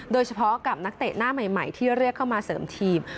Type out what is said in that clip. โดยเฉพาะกับนักเตะหน้าใหม่ที่เรียกเข้ามาเสริมทีม